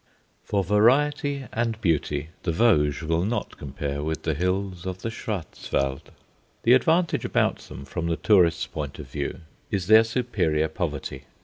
For variety and beauty, the Vosges will not compare with the hills of the Schwarzwald. The advantage about them from the tourist's point of view is their superior poverty.